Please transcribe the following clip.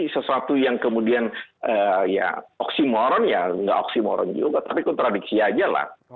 sesuatu yang kemudian ya oksimoron ya nggak oksimoron juga tapi kontradiksi aja lah